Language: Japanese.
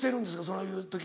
そういう時。